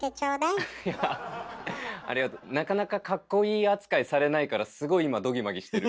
なかなかかっこいい扱いされないからすごい今どぎまぎしてる。